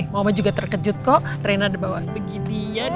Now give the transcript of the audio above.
ihh omah juga terkejut kok rena udah bawa beginian ya kan